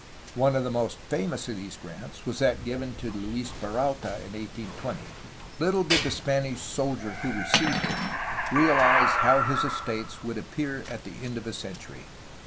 One of the most famous of these grants was that given to Luis Peralta in 1820. Little did the Spanish soldier who received it realize how his estates would appear at the end of a century.